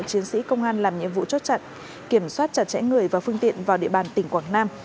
chiến sĩ công an làm nhiệm vụ chốt chặn kiểm soát chặt chẽ người và phương tiện vào địa bàn tỉnh quảng nam